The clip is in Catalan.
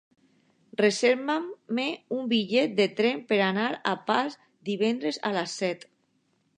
Reserva'm un bitllet de tren per anar a Pals divendres a les set.